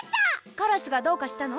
カラスがどうかしたの？